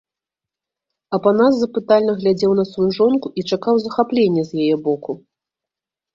Апанас запытальна глядзеў на сваю жонку і чакаў захаплення з яе боку.